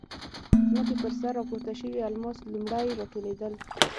ځمکې پر سر راپورته شوي الماس لومړی راټولېدل.